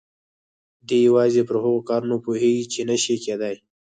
دی يوازې پر هغو کارونو پوهېږي چې نه شي کېدای.